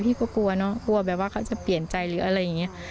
พี่ก็กลัวเนอะกลัวแบบว่าเขาจะเปลี่ยนใจหรืออะไรอย่างนี้